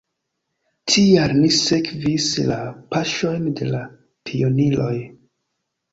Tial ni sekvis la paŝojn de la pioniroj!